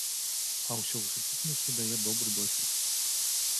А ўсё ў сукупнасці дае добры досвед.